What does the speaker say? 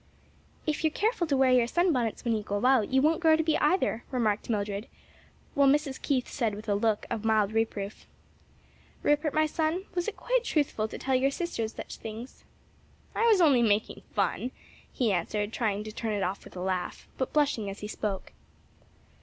"If you're careful to wear your sunbonnets when you go out, you won't grow to be either," remarked Mildred, while Mrs. Keith said with a look of mild reproof, "Rupert, my son, was it quite truthful to tell your sisters such things?" "I was only making fun," he answered, trying to turn it off with a laugh, but blushing as he spoke.